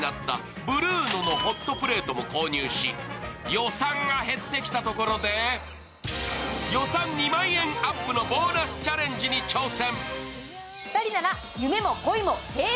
予算が減ってきたところで予算２万円アップのボーナスチャレンジに挑戦。